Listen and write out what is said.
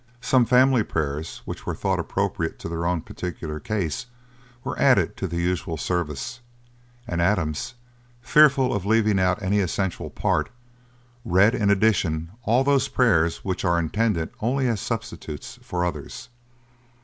Some family prayers, which were thought appropriate to their own particular case, were added to the usual service; and Adams, fearful of leaving out any essential part, read in addition all those prayers which are intended only as substitutes for others.